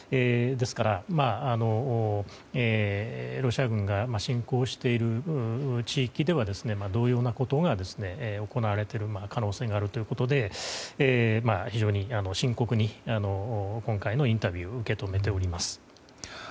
ですから、ロシア軍が侵攻している地域では同様のことが行われている可能性があるということで非常に深刻に今回のインタビューを受け止めております。